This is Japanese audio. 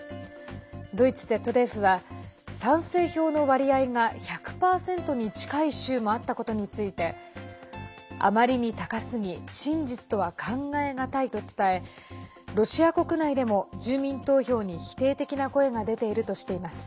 ドイツＺＤＦは賛成票の割合が１００％に近い州もあったことについてあまりに高すぎ真実とは考えがたいと伝えロシア国内でも住民投票に否定的な声が出ているとしています。